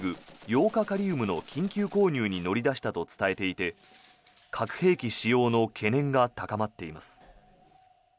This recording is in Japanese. ヨウ化カリウムの緊急購入に乗り出したと伝えていて核兵器使用の懸念が高まっています。